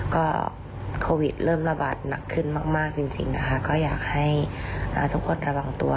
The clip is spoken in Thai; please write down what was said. ก็โควิดเริ่มระบาดหนักขึ้นมากจริงนะคะก็อยากให้ทุกคนระวังตัว